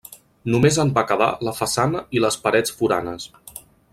Només en va quedar la façana i les parets foranes.